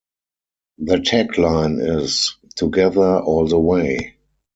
Their tag line is 'Together, all the way.